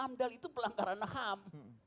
amdal itu pelanggaran ham